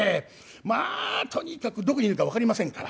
まあとにかくどこにいるか分かりませんから。